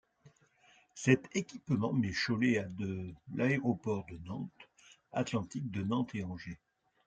Cet équipement met Cholet à de l'aéroport de Nantes-Atlantique, de Nantes et Angers.